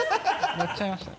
笑っちゃいましたね。